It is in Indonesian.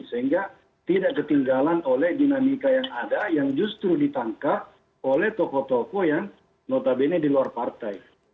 sehingga tidak ketinggalan oleh dinamika yang ada yang justru ditangkap oleh tokoh tokoh yang notabene di luar partai